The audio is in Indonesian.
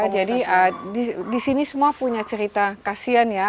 jadi di sini semua punya cerita kasian ya